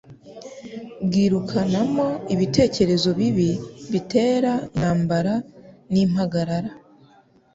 bwirukanamo ibitekerezo bibi bitera intambara n'impagarara